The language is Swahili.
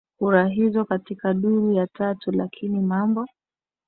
kura hizo katika duru ya tatu Lakini mambo